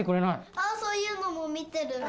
・あそういうのも見てる。